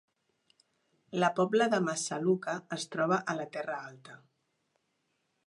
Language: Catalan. La Pobla de Massaluca es troba a la Terra Alta